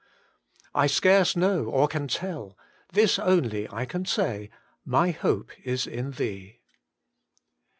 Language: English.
I scarce know or can tell ; this only I can say —• My hope is in thee.'